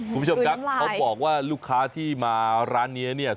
คุณผู้ชมครับเขาบอกว่าลูกค้าที่มาร้านนี้เนี่ย